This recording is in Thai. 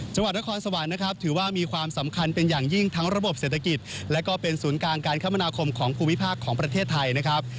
จังหวัดนครสวรรค์นะครับถือว่ามีความสำคัญเป็นอย่างยิ่งทั้งระบบเศรษฐกิจและก็เป็นศูนย์กลางการคมนาคมของภูมิภาคของประเทศไทยนะครับ